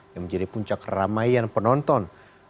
yang menjadi puncak ramai yang penonton